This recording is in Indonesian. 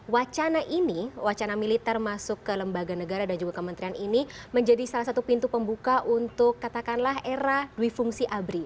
wacana ini wacana militer masuk ke lembaga negara dan juga kementerian ini menjadi salah satu pintu pembuka untuk katakanlah era dwi fungsi abri